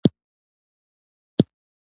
فکر کوم ځيرک شوی يم